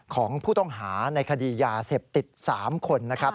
ของผู้ต้องหาในคดียาเสพติด๓คนนะครับ